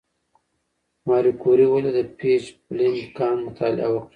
ماري کوري ولې د پیچبلېند کان مطالعه وکړه؟